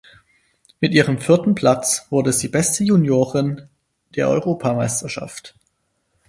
Mit ihrem vierten Platz wurde sie beste Juniorin der Europameisterschaft.